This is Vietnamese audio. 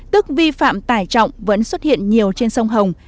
tức vi phạm tải trọng vẫn xuất hiện nhiều trên sông hồng